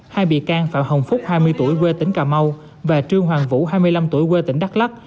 hai bị can phạm hồng phúc hai mươi tuổi quê tỉnh cà mau và trương hoàng vũ hai mươi năm tuổi quê tỉnh đắk lắc